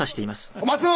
おい松尾」。